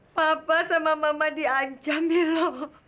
papa sama mama diancam milo